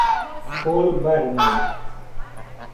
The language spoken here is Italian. Paul Bernays